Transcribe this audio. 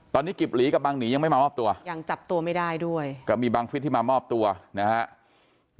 ตอนนี้กิบหลีกับบังหนียังไม่มามอบตัวยังจับตัวไม่ได้ด้วยก็มีบังฟิศที่มามอบตัวนะครับ